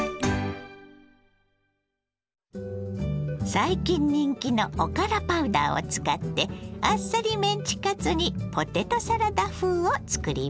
最近人気のおからパウダーを使ってあっさりメンチカツにポテトサラダ風を作ります。